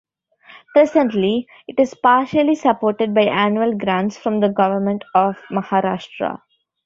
Presently, it is partially supported by annual grants from the Government of Maharashtra.